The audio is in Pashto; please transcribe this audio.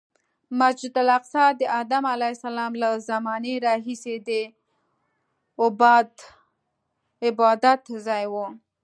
مسجد الاقصی د ادم علیه السلام له زمانې راهیسې د عبادتځای و.